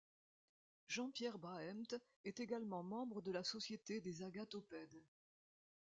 Joseph-Pierre Braemt est également membre de la Société des agathopèdes.